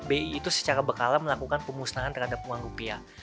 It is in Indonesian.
bi itu secara berkala melakukan pemusnahan terhadap uang rupiah